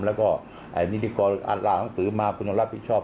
แล้วก็นิติกรอ่านหนังสือมาคุณต้องรับผิดชอบ